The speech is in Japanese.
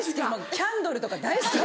キャンドルとか大好き。